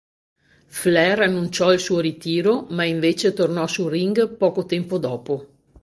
Flair annunciò il suo ritiro, ma invece tornò sul ring poco tempo dopo.